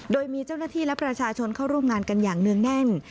โดยมีเจ้าหน้าที่และประชาชนเข้าร่วมงานกันอย่างเนื่องแน่น